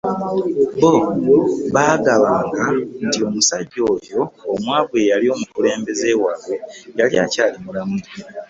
Bo baagambanga nti omusajja oyo omwavu eyali omukulembeze waabwe yali akyali mulamu.